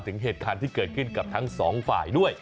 ถึงเหตุการณ์ที่เกิดขึ้นกับทั้งสองฝ่ายด้วย